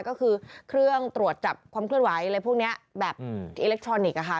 ก็คือเครื่องตรวจจับความเคลื่อนไหวอะไรพวกนี้แบบอิเล็กทรอนิกส์